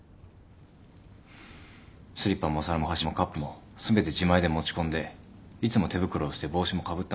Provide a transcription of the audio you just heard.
スリッパもお皿もお箸もカップも全て自前で持ち込んでいつも手袋をして帽子もかぶったまま。